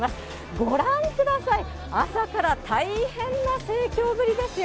ご覧ください、朝から大変な盛況ぶりですよ。